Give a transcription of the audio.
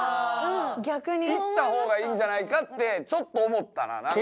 ・逆に・行ったほうがいいんじゃないかってちょっと思ったな。